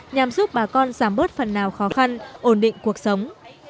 nhằm giúp bà con giảm bớt phần nào khó khăn ổn định cuộc sống